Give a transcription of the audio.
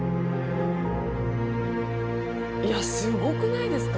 いやすごくないですか！？